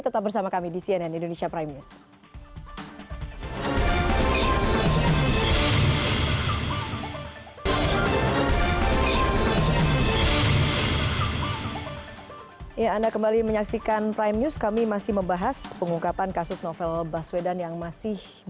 tetap bersama kami di cnn indonesia prime news